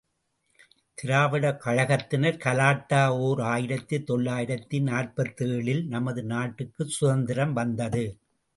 திராவிடக் கழகத்தினர் கலாட்டா ஓர் ஆயிரத்து தொள்ளாயிரத்து நாற்பத்தேழு ல், நமது நாட்டுக்குச் சுதந்திரம் வந்தது.